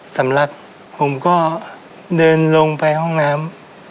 สำหรับผมก็เดินลงไปห้องน้ำ